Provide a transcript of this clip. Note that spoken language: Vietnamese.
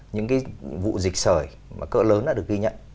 những vụ dịch sởi cỡ lớn đã được ghi nhận